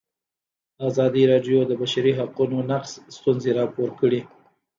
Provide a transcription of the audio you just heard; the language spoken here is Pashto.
ازادي راډیو د د بشري حقونو نقض ستونزې راپور کړي.